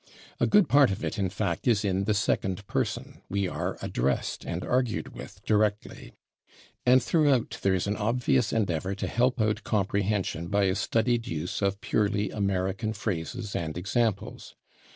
A good part of it, in fact, is in the second person we are addressed and argued with directly. And throughout there is an obvious endeavor to help out comprehension by a studied use of purely American phrases and examples.